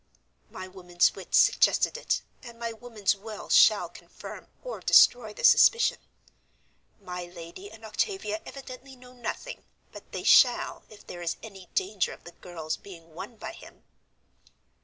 "My woman's wit suggested it, and my woman's will shall confirm or destroy the suspicion. My lady and Octavia evidently know nothing, but they shall if there is any danger of the girl's being won by him."